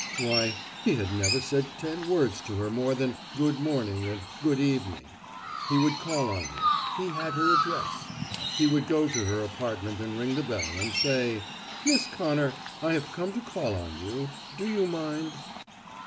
Why he had never said ten words to her more than "Good morning" and "Good evening." He would call on her; he had her address. He would go to her apartment and ring the bell and say, "Miss Connor, I have come to call on you. Do you mind?"